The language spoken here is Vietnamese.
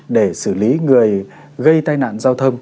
để xử lý người gây tai nạn giao thông